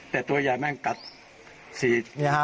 แต่ตัวใหญ่แม่งกัดสี